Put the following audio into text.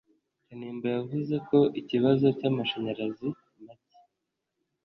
Kanimba yavuze ko ikibazo cy’amashanyarazi make